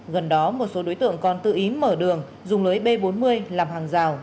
gần đó một số đối tượng còn tự ý mở đường dùng lưới b bốn mươi làm hàng rào